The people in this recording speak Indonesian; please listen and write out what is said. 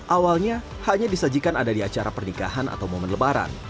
awalnya hanya disajikan ada di acara pernikahan atau momen lebaran